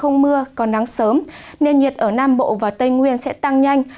không mưa còn nắng sớm nền nhiệt ở nam bộ và tây nguyên sẽ tăng nhanh